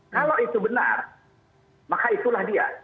kalau itu benar maka itulah dia